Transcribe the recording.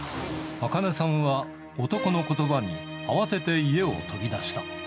アカネさんは男のことばに慌てて家を飛び出した。